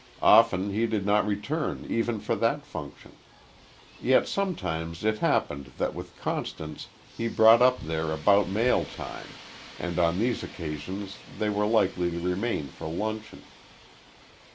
Often he did not return even for that function. Yet sometimes it happened that with Constance he brought up there about mail time, and on these occasions they were likely to remain for luncheon.